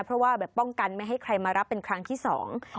เพราะว่าแบบป้องกันไม่ให้ใครมารับเป็นครั้งที่สอง